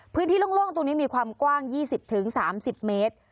โล่งตรงนี้มีความกว้าง๒๐๓๐เมตร